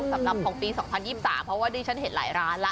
สำหรับปี๒๐๒๓เพราะว่าที่นี่ฉันเห็นหลายร้านละ